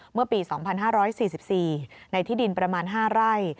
เมื่อปี๒๕๔๔ในที่ดินประมาณ๕ไร่